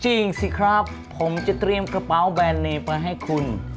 จริงสิครับผมจะเตรียมกระเป๋าแบรนด์เนมมาให้คุณ